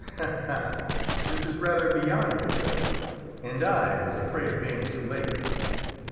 "Ha, ha! this is rather beyond a joke. And I was afraid of being too late!